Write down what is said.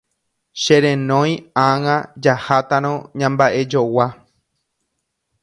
Cherenói ág̃a jahátarõ ñamba'ejogua.